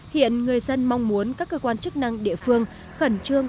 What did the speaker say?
hiện người dân mong muốn các cơ quan chức năng địa phương khẩn trương